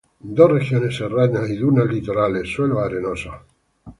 De regiones serranas y dunas litorales, suelos arenosos.